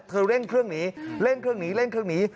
เร่งเครื่องหนีเร่งเครื่องหนีเร่งเครื่องหนี